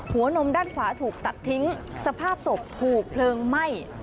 นมด้านขวาถูกตัดทิ้งสภาพศพถูกเพลิงไหม้